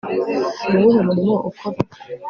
ni uwuhe murimo ukora